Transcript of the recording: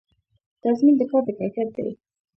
تضمین د کار د کیفیت دی